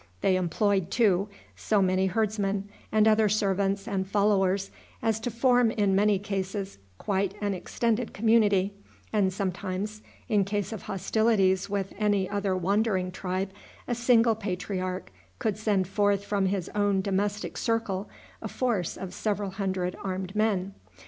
They employed, too, so many herdsmen, and other servants and followers, as to form, in many cases, quite an extended community, and sometimes, in case of hostilities with any other wandering tribe, a single patriarch could send forth from his own domestic circle a force of several hundred armed men.